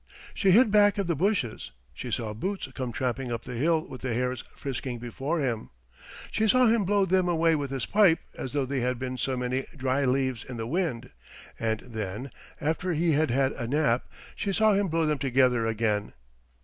She hid back of the bushes; she saw Boots come tramping up the hill with the hares frisking before him; she saw him blow them away with his pipe as though they had been so many dry leaves in the wind, and then, after he had had a nap, she saw him blow them together again.